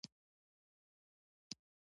د فعالیتونو مرکز تباه کړ.